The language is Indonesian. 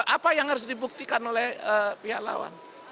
apa yang harus dibuktikan oleh pihak lawan